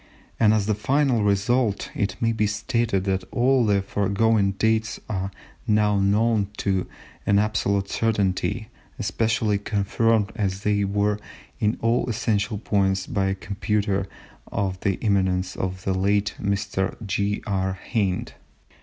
And as the final result, it may be stated that all the foregoing dates are now known to an absolute certainty, especially confirmed as they were in all essential points by a computer of the eminence of the late Mr. J. R. Hind.